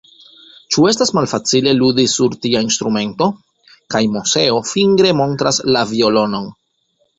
Ĉu estas malfacile ludi sur tia instrumento? kaj Moseo fingre montras la violonon.